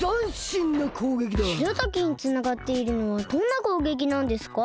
しらたきにつながっているのはどんな攻撃なんですか？